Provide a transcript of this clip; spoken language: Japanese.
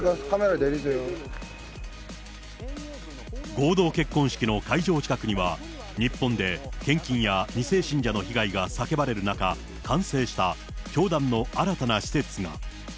合同結婚式の会場近くには、日本で献金や２世信者の被害が叫ばれる中、完成した教団の新たな施設が。